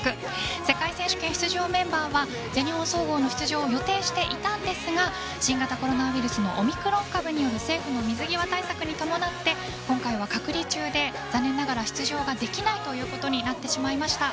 世界選手権出場メンバーは全日本総合の出場を予定していたんですが新型コロナウイルスのオミクロン株による政府の水際対策に伴って今回は隔離中で残念ながら出場ができないということになってしまいました。